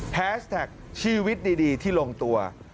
แฮชแท็กชีวิตดีที่ลงตัว